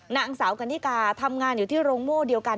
นางสาวกันนิกาทำงานอยู่ที่โรงโม่เดียวกัน